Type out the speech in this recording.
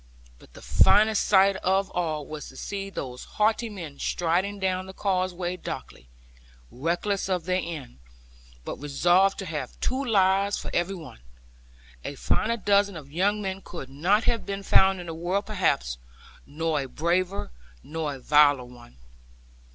But the finest sight of all was to see those haughty men striding down the causeway darkly, reckless of their end, but resolute to have two lives for every one. A finer dozen of young men could not have been found in the world perhaps, nor a braver, nor a viler one.